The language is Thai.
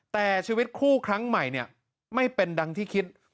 แต่ชีวิตคู่ครั้งใหม่เนี่ยไม่เป็นดังที่คิด